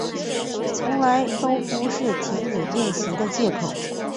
从来都不是停止练习的借口